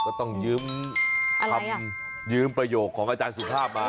ก็ต้องยืมคำยืมประโยคของอาจารย์สุภาพมา